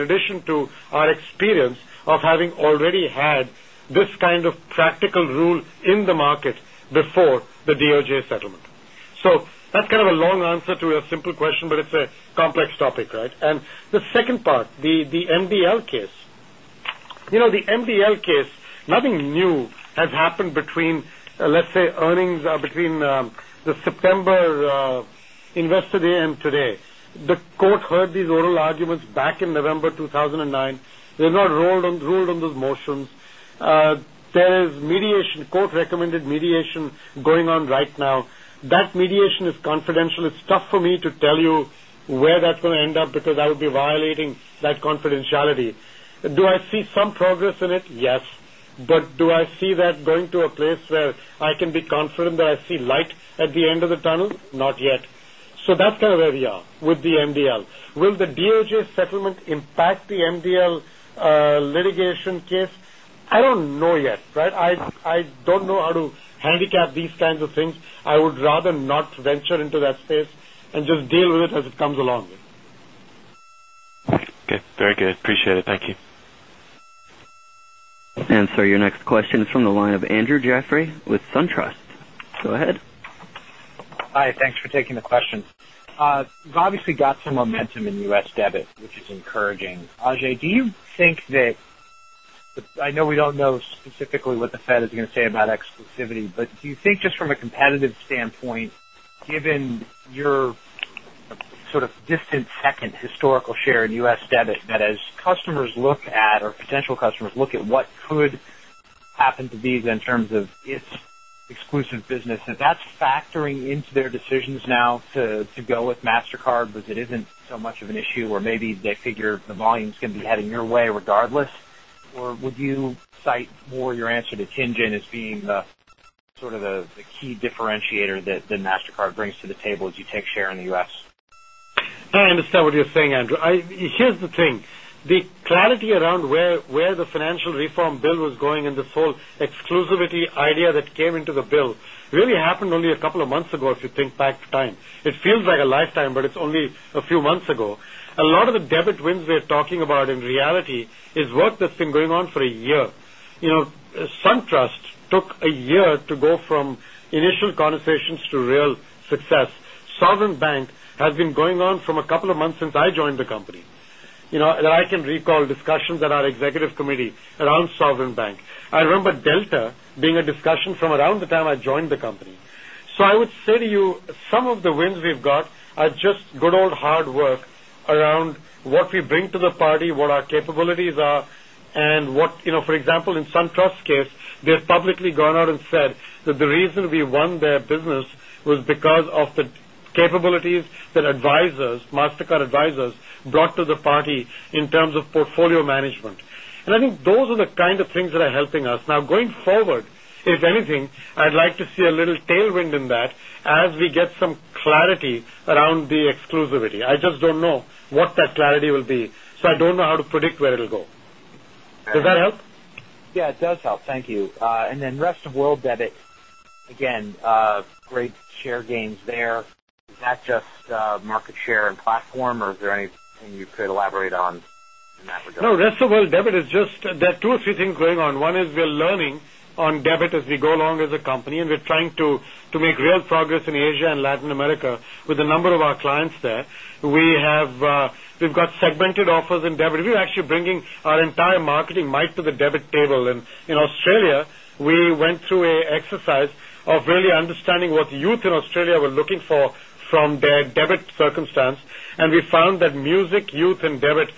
addition to our experience of having already had this kind of practical rule in the market before the DOJ settlement. So That's kind of a long answer to a simple question, but it's a complex topic, right? And the second part, the MDL case. The MDL case, nothing new has happened between, let's say, earnings between the September Investor Day and today. The court heard these oral arguments back in November 2009. They have not ruled on those motions. There Fed's mediation court recommended mediation going on right now. That mediation is confidential. It's tough for me to tell you where that's going to end up because I will be Violating that confidentiality. Do I see some progress in it? Yes. But do I see that going to a place where I can be confident that I see light the At the end of the tunnel, not yet. So that's kind of where we are with the MDL. Will the DOJ settlement impact the MDL litigation case? I don't know yet, right? I don't know how to handicap these kinds of things. I would rather not venture into that space and Deal with it as it comes along. Okay. Very good. Appreciate it. Thank you. SunTrust. Your next question is from the line of Andrew Jeffrey with SunTrust. Go ahead. Hi, thanks for taking the questions. You've obviously got some momentum in U. S. Debit, which is encouraging. Ajay, do you think that I know we don't know specifically what the Fed is going to say about exclusivity. But do you think just from a competitive standpoint, given 3rd year sort of distant second historical share in U. S. Debit that as customers look at or potential customers look at what could happened to be in terms of its exclusive business. So that's factoring into their decisions now to go with Mastercard because it isn't So much of an issue where maybe they figure the volume is going to be heading your way regardless. Or would you cite more your answer to Tien Tsin as being sort of the key differentiator that Mastercard brings to the table as you take share in the U. S. I understand what you're saying, Andrew. Here's the thing, the clarity around where the financial reform bill was going in this whole exclusivity idea that came into the bill really happened A couple of months ago if you think back to time. It feels like a lifetime, but it's only a few months ago. A lot of the debit wins we're talking about in reality is work that's been going SunTrust took a year to go from initial conversations to real success. Sovereign Bank has been going on from a couple of months since I joined the SaaS. Sovereign Bank has been going on from a couple of months since I joined the company. I can recall discussions at our executive committee around Sovereign Bank. I I remember Delta being a discussion from around the time I joined the company. So I would say to you, some of the wins we've got are Good old hard work around what we bring to the party, what our capabilities are and what for example, SunTrust case. We have publicly gone out and said that the reason we won their business was because of the capabilities that Pfizer's Mastercard Advisors brought to the party in terms of portfolio management. And I think those are the kind of things that are helping us. Now going forward, If anything, I'd like to see a little tailwind in that as we get some clarity around the exclusivity. I just don't know what that clarity will be. So I don't know how to predict where it will go. Does that help? Yes, it does help. Thank you. And then rest of world debit, again, great share gains there. Is that just market share and platform? Or is there anything you could elaborate on No, rest of the world, debit is just there are 2 or 3 things going on. One is we're learning on debit as we go along as a company, and we're trying to make real progress in Asia and Latin America with a number of our clients there. We have got segmented offers in debit. We're actually bringing our entire marketing might to the debit table. And in Australia, We went through a exercise of really understanding what youth in Australia were looking for from their debit circumstance. And we found that music, youth and debit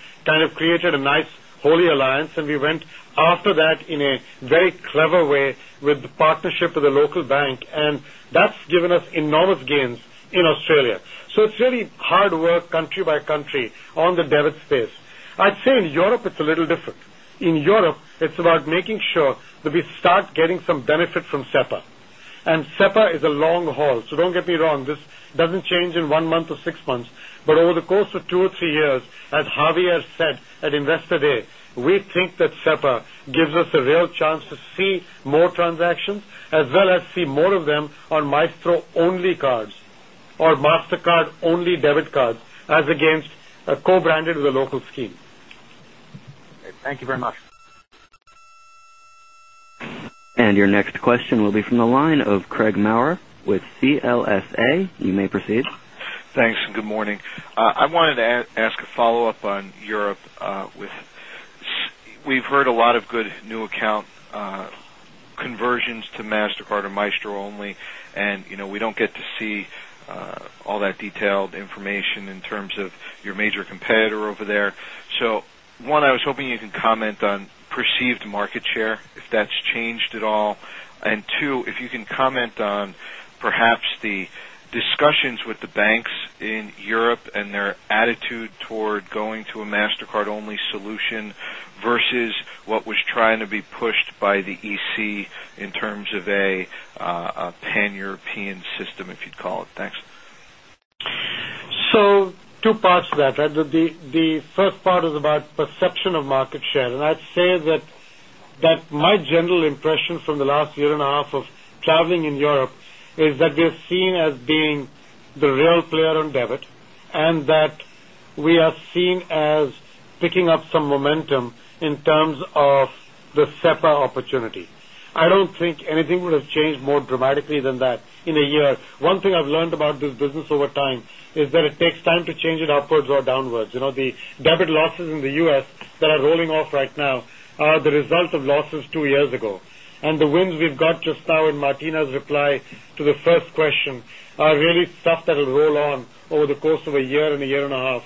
given us enormous gains in Australia. So it's really hard work country by country on the debit space. I'd I'd say in Europe, it's a little different. In Europe, it's about making sure that we start getting some benefit from SEPA. And SEPA is a long haul, so don't This doesn't change in 1 month or 6 months, but over the course of 2 or 3 years, as Harvey has said at Investor Day, we think that Saba gives us a real chance to see more transactions as well as see more of them on Maestro only cards or Mastercard only debit cards your next question will be from the line of Craig Maurer with CLSA. You may proceed. Thanks and good morning. I wanted to ask a follow-up on Europe We've heard a lot of good new account conversions to Mastercard or Maestro only, and we don't get to see all that detailed information in terms of your major competitor over there. So one, I was hoping you can comment on perceived market share, if that's changed at all? And 2, if you can comment on perhaps the discussions with the banks in Europe and their attitude toward going to a Mastercard only solution versus what was trying to be pushed by the EC in terms of a pan European system, if you'd call it. Thanks. So Two parts to that, right? The first part is about perception of market share. And I'd say that my general impression from the last year and a half of Traveling in Europe is that we're seen as being the real player on debit and that we are seen as picking up some momentum business over time is that it takes time to change it upwards or downwards. The debit losses in the U. S. That are rolling off right now are the result roll on over the course of a year and 1.5 years.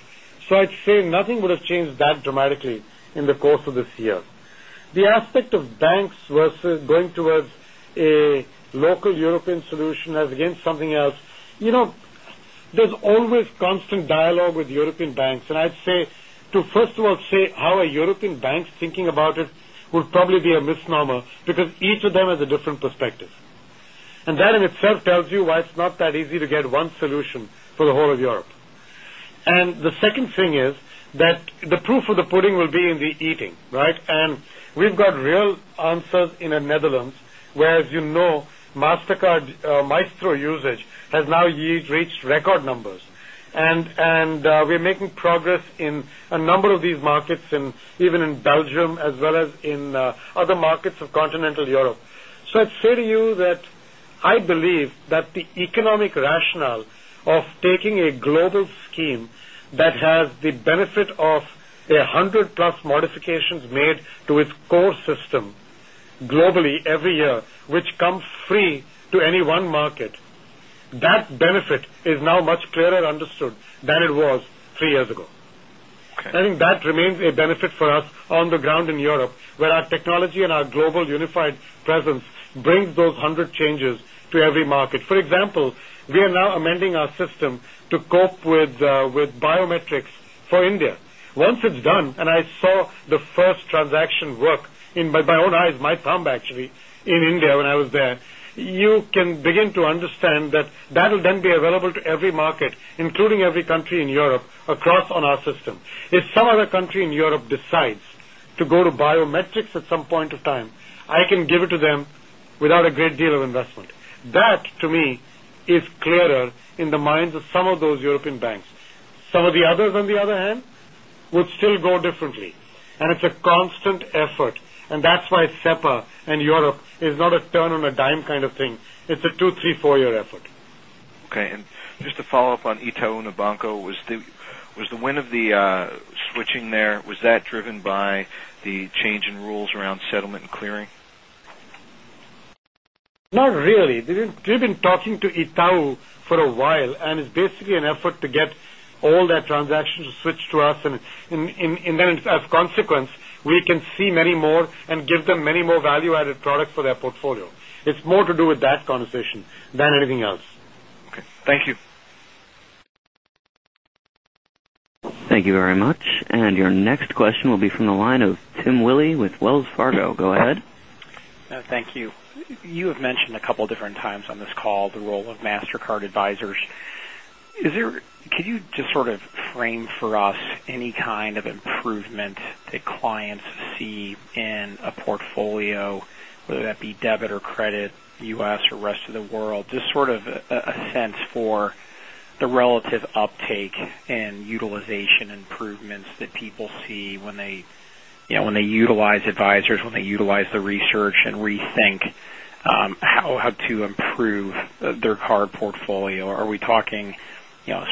So I'd say nothing would have changed that dramatically in the course of this year. The aspect of banks constant dialogue with European banks. And I'd say to first of all say how a European bank is thinking about it will probably be a misnomer because each The proof of the pudding will be in the eating, right? And we've got real answers in the Netherlands, whereas progress in a number of these markets and even in Belgium as well as in other markets of Continental Europe. So I'd say to you that Once it's done and I saw the first transaction work in by my own eyes, my thumb actually in India when I was there, you can begin to understand that, that That will then be available to every market, including every country in Europe across on our system. If some other country in Europe decides second banks. Some of the others on the other hand would still go differently. And it's a constant effort. And that's why SEPA in Europe is not a Turn on a dime kind of thing. It's a 2, 3, 4 year effort. Okay. And just a follow-up on Itau Unibanco. Was the win of the switching there, was Fed driven by the change in rules around settlement clearing? Not really. We've been talking to Itau for a and give them many more value added products for their portfolio. It's more to do with that conversation than anything else. Okay. Thank you. Phone call. Thank you very much. And your next question will be from the line of Tim Willi with Wells Fargo. Go ahead. Thank you. You have mentioned a couple of different times on this call the role of Mastercard Advisors. Is there could you just sort of frame for us any kind of improvement that clients see in a portfolio, whether that be debit or credit, U. S. Or Rest of the World, just sort of a sense for the relative uptake and utilization improvements that people see When they utilize advisors, when they utilize the research and rethink, how to improve their card portfolio, are we talking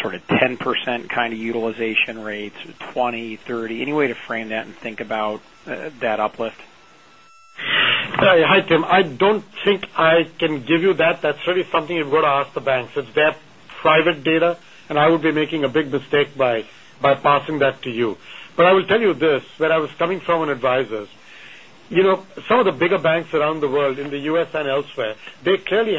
sort of 10% kind of utilization rates, 20%, 30%. Any way to frame that and think about that uplift? Hi, Tim. I don't think I can give you that. That's really something you've got to ask the banks. It's their private data, and I would be making a big mistake site by passing back to you. But I will tell you this, where I was coming from an adviser. Some of the bigger banks around the world in the U. S. And elsewhere, they clearly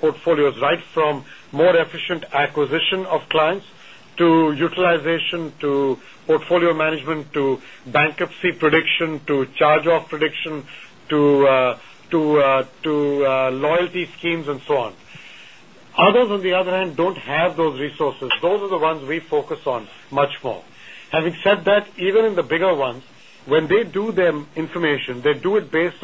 portfolios right from more efficient acquisition of clients to utilization, to portfolio management, to bankruptcy to charge off prediction to loyalty schemes and so on. Others on the other hand don't have those resources. Those are the ones we focus on much more. Having said that, even in the bigger ones, when they do them information, they do it based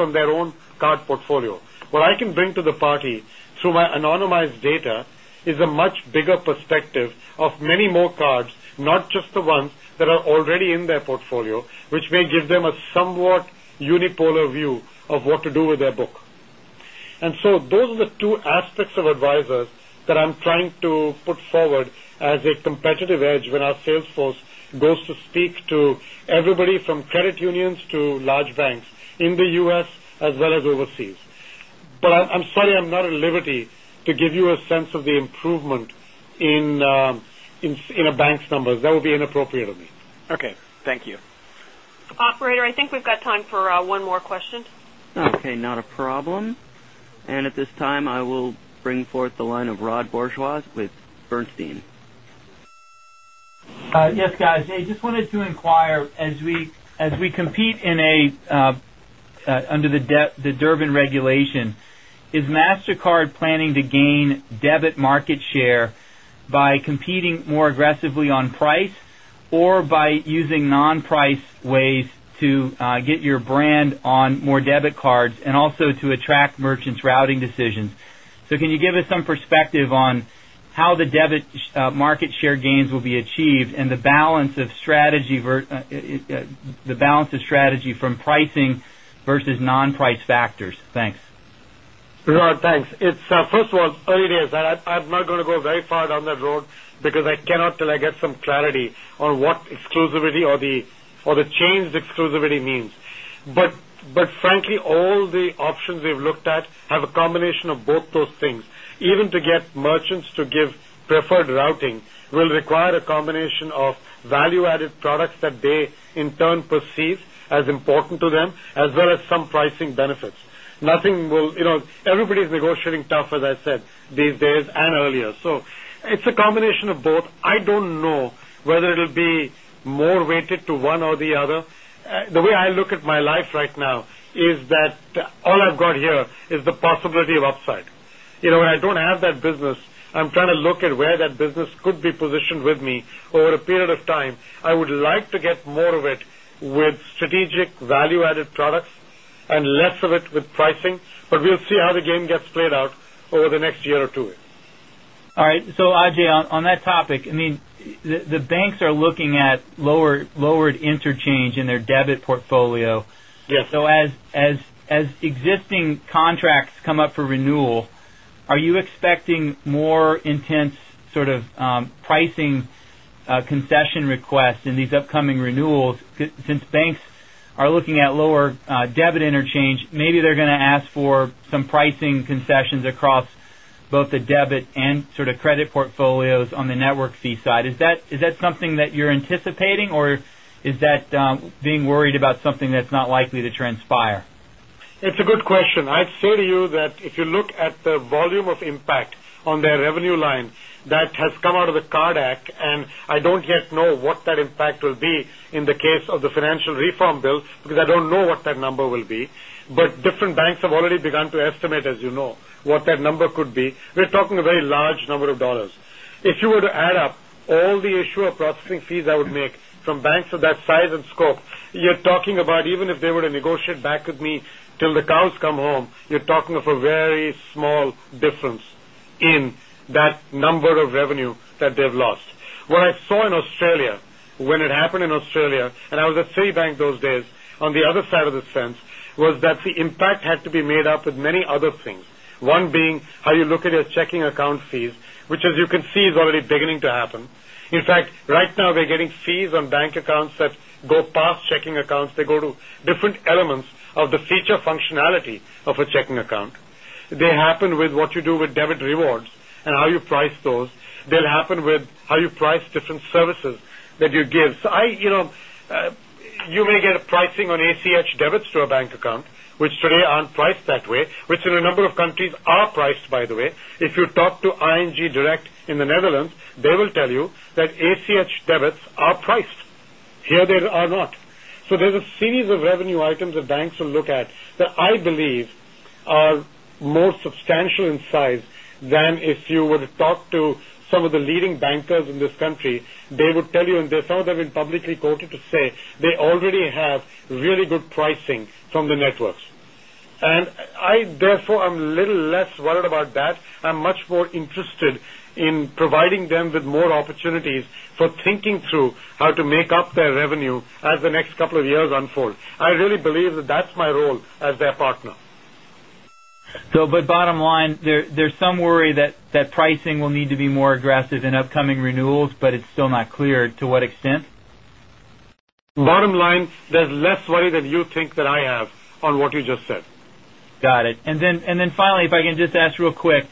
Just the ones that are already in their portfolio, which may give them a somewhat unipolar view of what to do with their book. And so those are the 2 prospects of advisers that I'm trying to put forward as a competitive edge when our sales force goes to speak to everybody credit unions to large banks in the U. S. As well as overseas. But I'm sorry, I'm not at liberty to give you a sense of the improvement in a bank's numbers. That will be inappropriate of me. Okay. Thank you. Operator, I think we've got time for one more question. Okay. Not a problem. And at this time, I will bring forth the line of Rod Bourgeois with Bernstein. Yes, guys. I just wanted to inquire as we compete in a under the Durbin Regulation. Is Mastercard planning to gain debit market share by competing more aggressively on price or by using non price ways to get your brand on more debit cards and also to attract merchants routing decisions. So can you give us some perspective on how the debit market share gains will be achieved and the balance of strategy from pricing versus non price factors. Thanks. Bernard, Thanks. It's first of all, it's early days. I'm not going to go very far down that road because I cannot till I get some clarity on what combination of both those things. Even to get merchants to give preferred routing will require a combination of value added products that they in turn perceive fees as important to them as well as some pricing benefits. Nothing will everybody is negotiating tough, as I said, these days So it's a combination of both. I don't know whether it will be more weighted to one or the other. The way I look at my life right now is Fed. All I've got here is the possibility of upside. I don't have that business. I'm trying to look at where that business could be positioned with me over a period of time. I the All right. So Ajay, on that topic, I mean, the banks Looking at lowered interchange in their debit portfolio. Yes. So as existing contracts come up for renewal, Are you expecting more intense sort of pricing concession requests in these upcoming renewals since banks are looking at lower debit interchange, maybe they're going to ask for some pricing concessions across both the debit and sort of credit portfolios on the network fee side. Is that something that you're anticipating? Or is that being It's a good question. I'd say to you that if you look at the volume of impact on their revenue line that has come number will be, but different banks have already begun to estimate, as you know, what that number could be. We're talking a very large number of dollars. If you were to setup. All the issuer processing fees I would make from banks of that size and scope, you're talking about even if they were to negotiate back with me the When the cows come home, you're talking of a very small difference in that number of revenue that they've lost. What I saw in Australia, when it happened in Australia, and I was at Citibank those days, on the other side of the sense was that the impact had to be made up with many 6 things. One being how you look at your checking account fees, which as you can see is already beginning to happen. In fact, right now, we're getting fees on bank accounts that go to different elements of the feature functionality of a checking account. They happen with what you do with debit and how you price those. They'll happen with how you price different services that you give. So I You may get a pricing on ACH debit store bank account, which today aren't priced that way, which in a number of countries are priced by the way. If in this country, they would tell you and some of them have been publicly quoted to say they already have really good pricing from the networks. And I therefore, I'm little less worried about that. I'm much more interested in providing them with more opportunities for thinking through how to make sub revenue as the next couple of years unfold. I really believe that that's my role as their partner. So but bottom line, there's some worry that pricing will need to be more aggressive in upcoming renewals, but it's still not clear to We'll need to be more aggressive in upcoming renewals, but it's still not clear to what extent? Bottom line, there's less worry than you think that I have on what Got it. And then finally, if I can just ask real quick,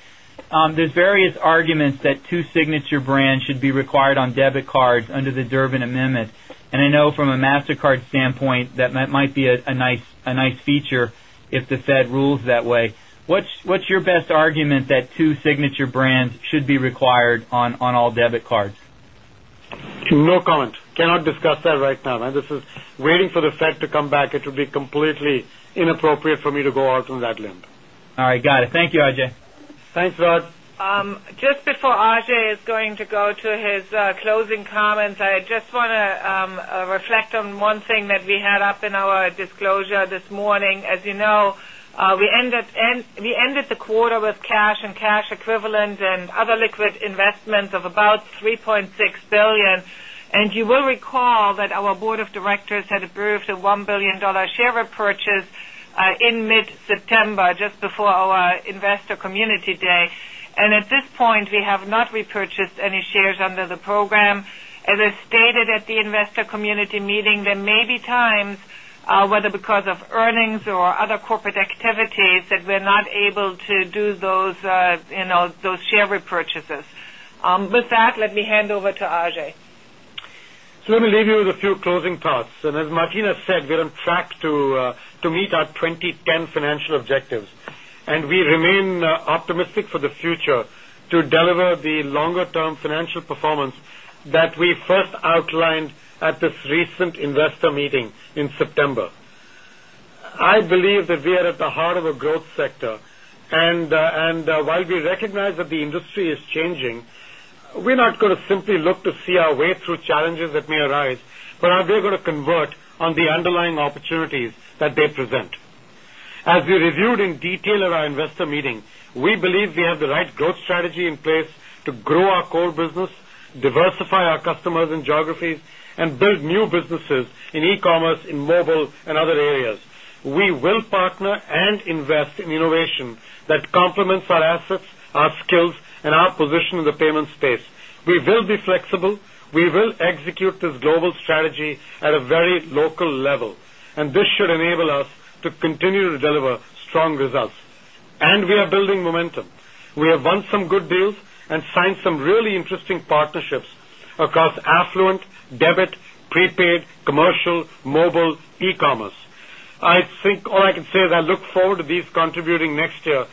there's various arguments that 2 Signature brands should be required on debit cards under the Thurman amendment. And I know from a Mastercard standpoint that might be a nice feature if the Fed rules that way. What's your best argument that 2 signature brands should be required on all debit cards. No comment. Cannot discuss that right now. And this is waiting for the For Ajei is going to go to his closing comments. I just want to reflect on one thing that we had up in our disclosure this morning. As About 3,600,000,000. And you will recall that our Board of Directors had approved a $1,000,000,000 share repurchase financial results. As I stated at the investor community meeting, there may be times, whether because of earnings or other corporate activities that we're not able to those share repurchases. With that, let me hand over to Ajay. So let me leave you with a few closing thoughts. And as Martina said, we're on track to meet our 20 10 financial objectives. And we remain optimistic for the future to the longer term financial performance that we first outlined at this recent investor meeting in September. I believe that we are at the heart of a growth sector. And while we recognize that the industry is changing, sales affluent debit prepaid commercial mobile e commerce. I think all I can say is I look forward to these contributing next year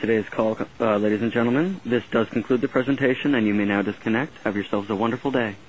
today's call. Ladies and gentlemen, this does conclude the presentation and you may now disconnect. Have yourselves a wonderful day.